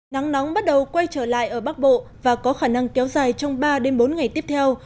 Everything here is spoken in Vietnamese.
nắng nóng bắt đầu quay trở lại ở bắc bộ và có khả năng kéo dài trong ba bốn ngày tiếp theo